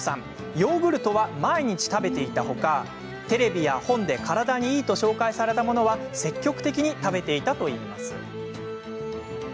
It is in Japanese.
ヨーグルトは毎日食べていたほかテレビや本で体にいいと紹介されたものは積極的に食べていたといいます。